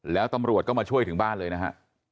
แล้วตำรวจก็มาช่วยถึงบ้านเลยนะฮะ